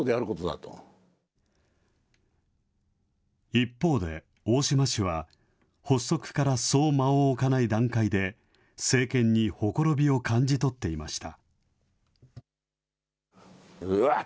一方で、大島氏は、発足からそう間を置かない段階で、政権にほころびを感じ取っていました。